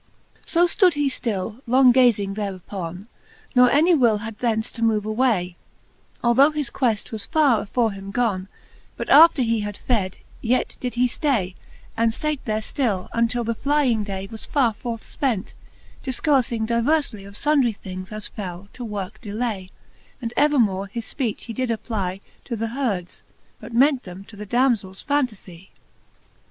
XII. So Canto IX. ' the Faerie ^eene, ^^^ XII. So ftood he ftill long gazing thereupon, Ne any will had thence to move away, Although his queft were farre afore him gon ; But after he had fed, yet did he ftay, And fate there ftill, untill the flying day Was farre forth fpent, difcourfing diverfly Of fundry things as fell, to worke delay ; And evermore his fpeach he did apply To th' heards, but meant them to the damzels fantafy.